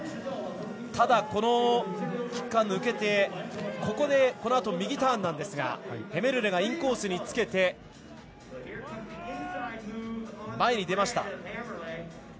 ただ、キッカーを抜けてそのあと右ターンなんですがヘメルレがインコースにつけて前に出ました。